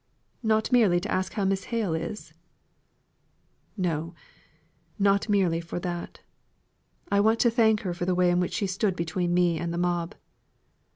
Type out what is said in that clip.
"Not merely to ask how Miss Hale is?" "No, not merely for that. I want to thank her for the way in which she stood between me and the mob."